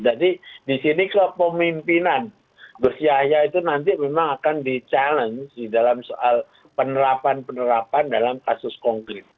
jadi di sini kalau pemimpinan bersyaya itu nanti memang akan di challenge di dalam soal penerapan penerapan dalam kasus konglis